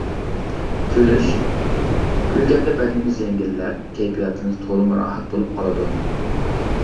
كۈلۈش: كۈلگەندە بەدىنىمىز يەڭگىللەپ، كەيپىياتىمىز تولىمۇ راھەت بولۇپ قالىدۇ.